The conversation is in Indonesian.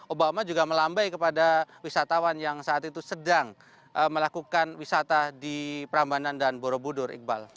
obama juga melambai kepada wisatawan yang saat itu sedang melakukan wisata di prambanan dan borobudur iqbal